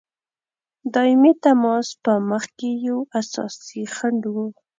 دایمي تماس په مخکي یو اساسي خنډ وو.